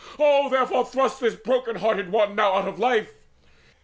Oh therefore thrust this broken hearted one Now out of life!